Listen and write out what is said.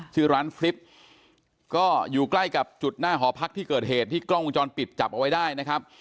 ชื่อร้านฟริปก็อยู่ใกล้กับจุดหน้าหอพักที่เกิดเหตุที่กล้องวงจรปิดจับเอาไว้ได้นะครับ